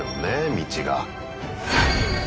道が。